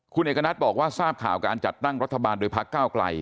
คุณเอกณัฐบอกว่าทราบข่าวการจัดตั้งรัฐบาลโดยพักก้าวไกล